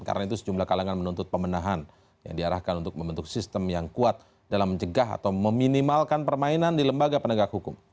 karena itu sejumlah kalangan menuntut pemenahan yang diarahkan untuk membentuk sistem yang kuat dalam menjegah atau meminimalkan permainan di lembaga penegak hukum